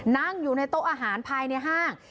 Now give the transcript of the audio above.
นั่งอยู่ในโต๊ะอาหารภายในห้าง